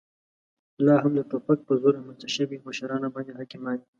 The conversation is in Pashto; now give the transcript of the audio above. لا هم د توپک په زور رامنځته شوي مشران راباندې حاکمان دي.